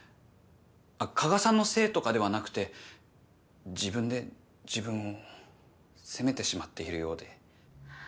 あっ加賀さんのせいとかではなくて自分で自分を責めてしまっているようで。